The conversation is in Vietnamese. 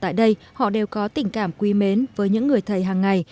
tại đây họ đều có tình cảm quý mến với những người thầy hàng ngày